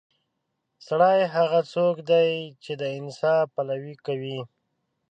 سړی هغه څوک دی چې د انصاف پلوي کوي.